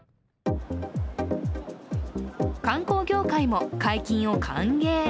観光業界も解禁を歓迎。